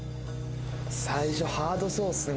最初ハードそうっすね。